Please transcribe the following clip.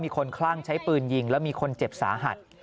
คลั่งใช้ปืนยิงแล้วมีคนเจ็บสาหัส